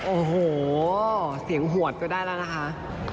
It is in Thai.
โอ้โหเสียงหวดก็ได้แล้วนะคะ